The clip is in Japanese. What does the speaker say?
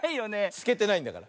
すけてないんだから。